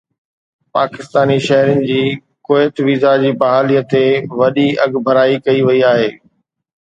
پاڪستاني شهرين جي Kuwait visa جي بحالي تي وڏي اڳڀرائي ڪئي وئي آهي